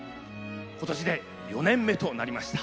今年で４年目となりました。